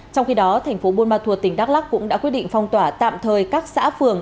trong khi đó thành phố buôn ma thuột tỉnh đắk lắc cũng đã quyết định phong tỏa tạm thời các xã phường